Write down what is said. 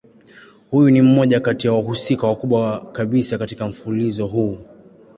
Huyu ni mmoja kati ya wahusika wakubwa kabisa katika mfululizo huu.